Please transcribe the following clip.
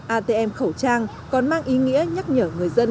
atm khẩu trang còn mang ý nghĩa nhắc nhở người dân